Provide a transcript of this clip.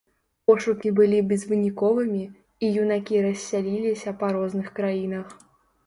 Пошукі былі безвыніковымі, і юнакі рассяліліся па розных краінах.